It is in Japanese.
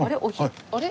あれ？